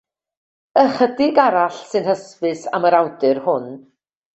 Ychydig arall sy'n hysbys am yr awdur hwn.